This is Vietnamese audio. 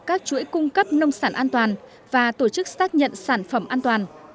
các chuỗi cung cấp nông sản an toàn và tổ chức xác nhận sản phẩm an toàn